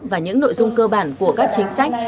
và những nội dung cơ bản của các chính sách